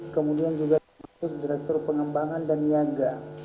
kemudian juga termasuk direktur pengembangan dan niaga